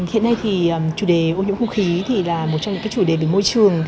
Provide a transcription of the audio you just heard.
hiện nay chủ đề ô nhiễm không khí là một trong những chủ đề về môi trường